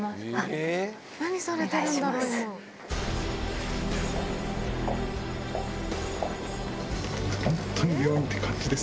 お願いします。